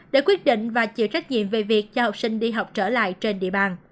để quyết định và chịu trách nhiệm về việc cho học sinh đi học trở lại trên địa bàn